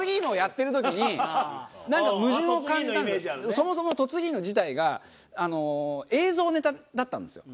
そもそも「トツギーノ」自体があの映像ネタだったんですよ。